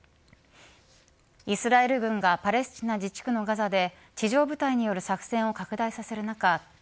イスラエル軍がパレスチナ自治区のガザで地上部隊による作戦を拡大させる中